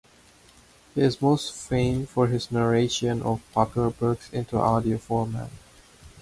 He is most famed for his narration of popular books into audio format.